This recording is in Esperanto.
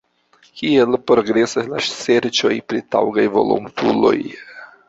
Kiel progresas la serĉoj pri taŭgaj volontuloj?